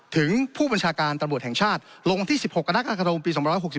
ถึงผู้บัญชาการตำรวจแห่งชาติลงวันที่๑๖กรกฎาคมปี๒๖๒